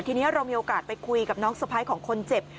ทีนี้เรามีโอกาสไปคุยกับน้องสะพ้ายของคนเจ็บ